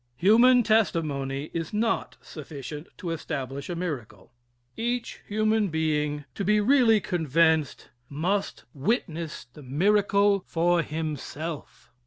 Human testimony is not sufficient to establish a miracle. Each human being, to be really convinced, must witness the miracle for himself.